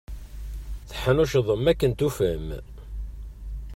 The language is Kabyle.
Teḥnuccḍem akken tufam.